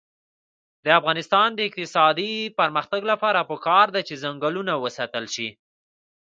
د افغانستان د اقتصادي پرمختګ لپاره پکار ده چې ځنګلونه وساتل شي.